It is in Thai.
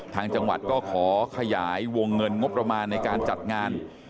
ทางจังหวัดก็ขอขยายวงเงินงบประมาณในการจัดงาน